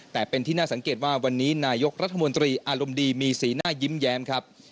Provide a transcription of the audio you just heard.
แต่เป็นที่น่าสังเกตว่าวันนี้นายกรัฐมนตรีอารมณ์ดีมีสีหน้ายิ้มแย้มครับ